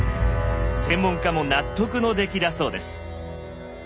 専門家も納得の出来だそうです。